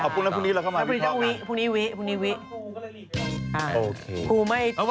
อ๋อแล้วพรุ่งนี้วันกรูใช่ไหม